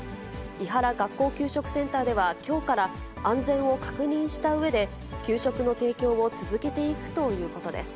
庵原学校給食センターでは、きょうから安全を確認したうえで、給食の提供を続けていくということです。